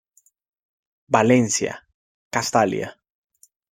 Valencia: Castalia.